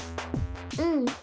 うん。